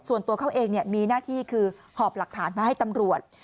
ส่วนตัวเขาเองมีหน้าที่คือหอบหลักฐานมาให้ตำรวจ